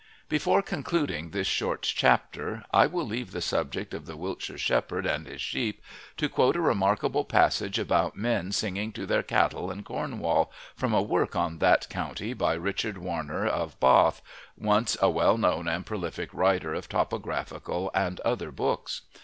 Before concluding this short chapter I will leave the subject of the Wiltshire shepherd and his sheep to quote a remarkable passage about men singing to their cattle in Cornwall, from a work on that county by Richard Warner of Bath, once a well known and prolific writer of topographical and other books.